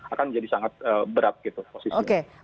akan jadi sangat berat posisinya